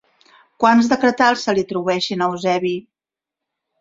Quants decretals se li atribueixen a Eusebi?